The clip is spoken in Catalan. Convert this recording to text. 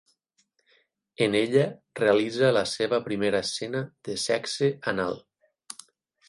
En ella realitza la seva primera escena de sexe anal.